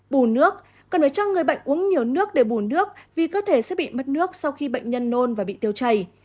bù nước cần ở cho người bệnh uống nhiều nước để bù nước vì cơ thể sẽ bị mất nước sau khi bệnh nhân nôn và bị tiêu chảy